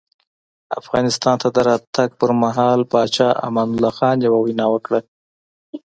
افغانستان ته د راتګ پر مهال پاچا امان الله خان یوه وینا وکړه.